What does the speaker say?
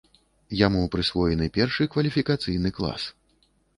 Яму прысвоены першы кваліфікацыйны клас.